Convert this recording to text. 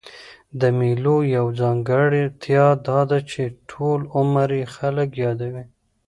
د مېلو یوه ځانګړتیا دا ده، چي ټول عمر ئې خلک يادوي.